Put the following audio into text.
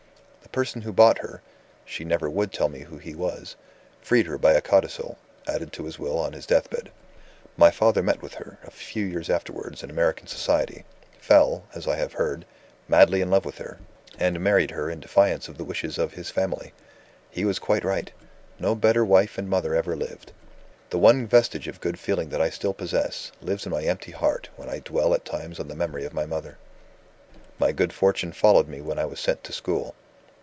The person who bought her (she never would tell me who he was) freed her by a codicil, added to his will on his deathbed. My father met with her, a few years afterwards, in American society fell (as I have heard) madly in love with her and married her in defiance of the wishes of his family. He was quite right: no better wife and mother ever lived. The one vestige of good feeling that I still possess, lives in my empty heart when I dwell at times on the memory of my mother. "My good fortune followed me when I was sent to school.